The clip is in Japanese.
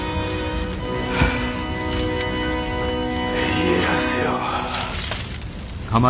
家康よ！